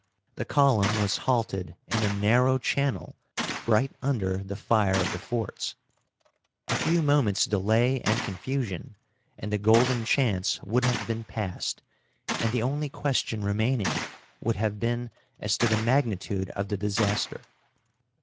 The column was halted in a narrow channel, right under the fire of the forts. A few moments' delay and confusion, and the golden chance would have been past, and the only question remaining would have been as to the magnitude of the disaster.